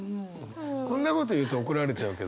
こんなこと言うと怒られちゃうけど。